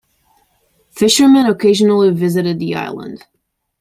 Fishermen occasionally visited the island.